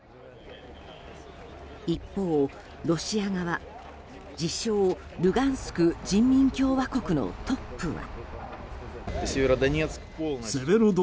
一方、ロシア側自称ルガンスク人民共和国のトップは。